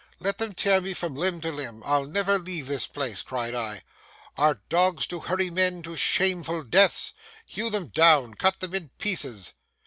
'Let them tear me from limb to limb, I'll never leave this place!' cried I. 'Are dogs to hurry men to shameful deaths? Hew them down, cut them in pieces.